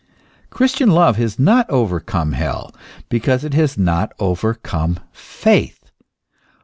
Christian love has not overcome hell, because it has not over come faith.